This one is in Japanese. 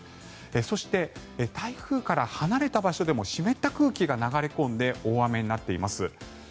そして、台風から離れた場所でも湿った空気が流れ込んで大雨になっています。